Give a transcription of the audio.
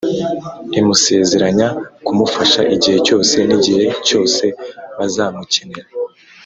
imusezeranya kumufasha igihe cyose n'igihe cyose bazamukenera;